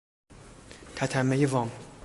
تتمهی وام